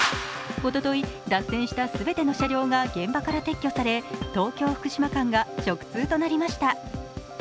おととい、脱線した全ての車両が現場から撤去され東京−福島間が直通となりました。